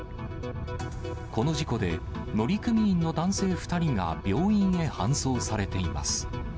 この事故で、乗組員の男性２人が病院へ搬送されています。